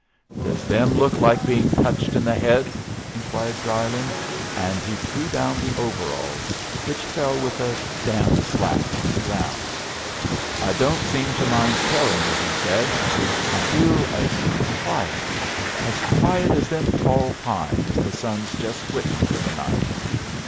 "Does them look like being touched in the head?" inquired Drylyn, and he threw down the overalls, which fell with a damp slap on the ground. "I don't seem to mind telling you," he said. "I feel as quiet as quiet as them tall pines the sun's just quittin' for the night."